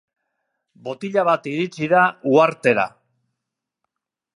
Botila bat iritsi da uhartera.